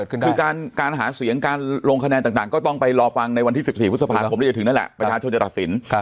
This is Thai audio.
คือการหาเสียงการลงคะแนนต่างก็ต้องไปรอฟังในวันที่๑๔พฤษภาคมที่จะถึงนั่นแหละประชาชนจะตัดสิน